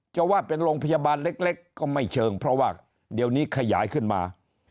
จะว่าเป็นโรงพยาบาลเล็กก็ไม่เชิงเพราะว่าเดี๋ยวนี้ขยายขึ้นมา